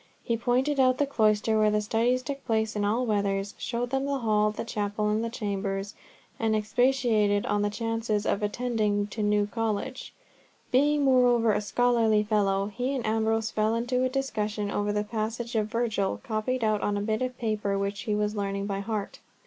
He pointed out the cloister where the studies took place in all weathers, showed them the hall, the chapel, and the chambers, and expatiated on the chances of attaining to New College. Being moreover a scholarly fellow, he and Ambrose fell into a discussion over the passage of Virgil, copied out on a bit of paper, which he was learning by heart.